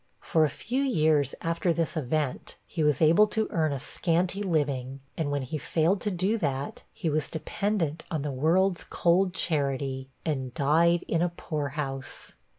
For a few years after this event, he was able to earn a scanty living, and when he failed to do that, he was dependent on the 'world's cold charity,' and died in a poorhouse.